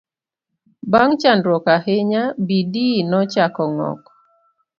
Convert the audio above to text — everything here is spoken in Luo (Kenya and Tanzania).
bang' chandruok ahinya, Bidii nochako ng'ok